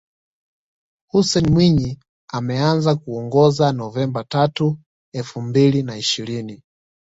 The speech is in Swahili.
Hussein Mwinyi ameanza kuongoza Novemba tatu elfu mbili na ishirini